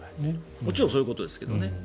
もちろんそういうことですけどね。